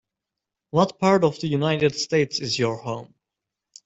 What part of the United States is your home.